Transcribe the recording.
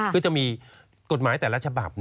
คือจะมีกฎหมายแต่ละฉบับ